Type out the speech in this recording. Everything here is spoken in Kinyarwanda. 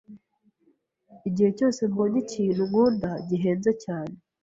Igihe cyose mbonye ikintu nkunda, gihenze cyane.